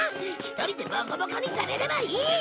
１人でボコボコにされればいい！